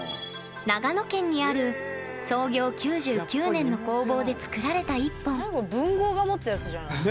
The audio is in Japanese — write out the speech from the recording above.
長野県にある創業９９年の工房で作られた一本。